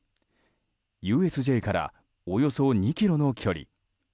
ＵＳＪからおよそ２ｋｍの距離。